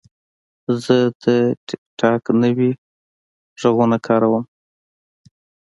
زه د ټک ټاک نوي غږونه کاروم.